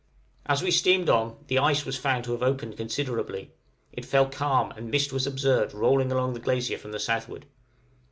As we steamed on, the ice was found to have opened considerably; it fell calm, and mist was observed rolling along the glacier from the southward.